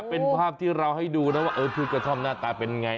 เป็นภาพที่เราให้ดูนะว่าพืชกระท่อมหน้าตาเป็นไง